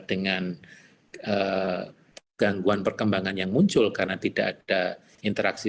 dengan gangguan perkembangan yang muncul karena tidak ada interaksi